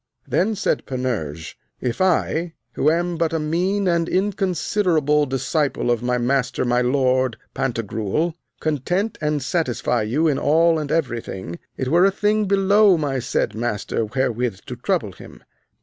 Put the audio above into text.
Then said Panurge, If I, who am but a mean and inconsiderable disciple of my master my lord Pantagruel, content and satisfy you in all and everything, it were a thing below my said master wherewith to trouble him.